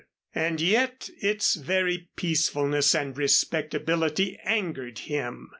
And yet its very peacefulness and respectability angered him.